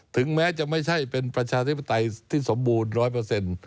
ถึงแม้จะไม่ใช่เป็นประชาเทศปฏิที่สมบูรณ์๑๐๐